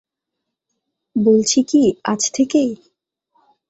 বলছি কি আজ থেকে?